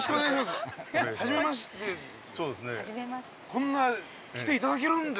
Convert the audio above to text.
こんな来ていただけるんですね。